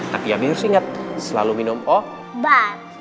tapi abi harus ingat selalu minum obat